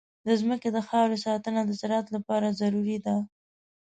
د ځمکې د خاورې ساتنه د زراعت لپاره ضروري ده.